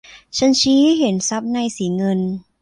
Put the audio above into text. ฉันชี้ให้เห็นซับในสีเงิน